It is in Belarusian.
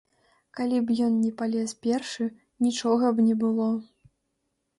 Калі б ён не палез першы, нічога б не было.